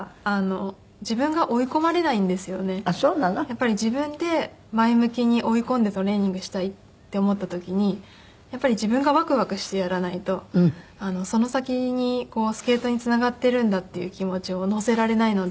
やっぱり自分で前向きに追い込んでトレーニングしたいって思った時にやっぱり自分がワクワクしてやらないとその先にスケートにつながっているんだっていう気持ちを乗せられないので。